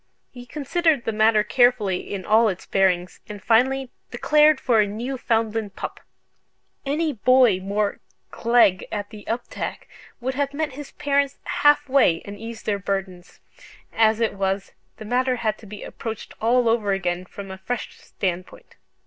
He considered the matter carefully in all its bearings, and finally declared for a Newfoundland pup. Any boy more "gleg at the uptak" would have met his parents half way, and eased their burden. As it was, the matter had to be approached all over again from a fresh standpoint.